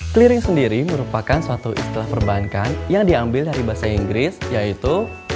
clearing sendiri merupakan suatu istilah perbankan yang diambil dari bahasa inggris yaitu